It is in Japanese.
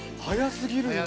早すぎる。